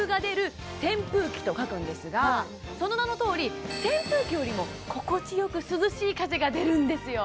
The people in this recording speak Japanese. と書くんですがその名のとおり扇風機よりも心地よく涼しい風が出るんですよ